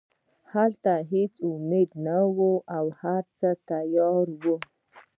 هلته هېڅ امید نه و او هرڅه تیاره وو